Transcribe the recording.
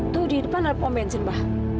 tuh di depan ada pom bensin ma